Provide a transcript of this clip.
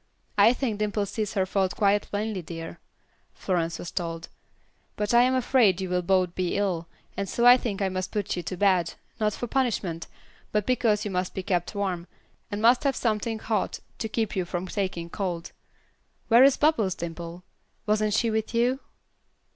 "I think Dimple sees her fault quite plainly, dear," Florence was told, "but I am afraid you will both be ill, and so I think I must put you to bed, not for punishment, but because you must be kept warm, and must have something hot to keep you from taking cold. Where is Bubbles, Dimple? Wasn't she with you?"